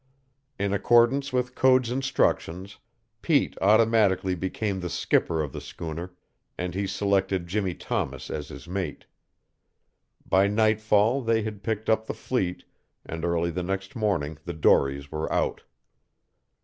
In accordance with Code's instructions, Pete automatically became the skipper of the schooner, and he selected Jimmie Thomas as his mate. By nightfall they had picked up the fleet, and early the next morning the dories were out.